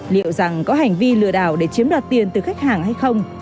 liệu rằng có hành vi lừa đảo để chiếm đoạt tiền từ khách hàng hay không